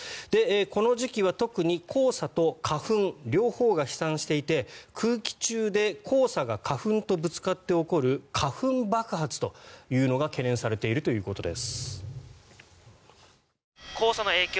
この時期は特に黄砂と花粉両方が飛散していて空気中で黄砂が花粉とぶつかって起こる花粉爆発というのが懸念されているということです。